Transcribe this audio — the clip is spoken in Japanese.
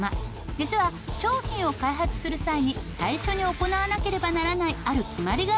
実は商品を開発する際に最初に行わなければならないある決まりがあるんだそうです。